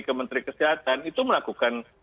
ke menteri kesehatan itu melakukan